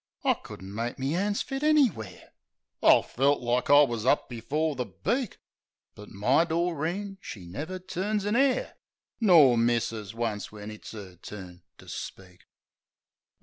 I couldn't make me 'ands fit anywhere ! I felt like I wus up afore the Beak ! But my Doreen she never turns a 'air, Nor misses once when it's 'er turn to speak.